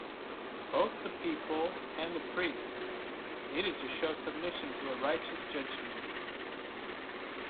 Both the people and the priests needed to show submission to a righteous judgement.